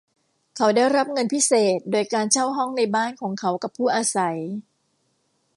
เขาได้รับเงินพิเศษโดยการเช่าห้องในบ้านของเขากับผู้อาศัย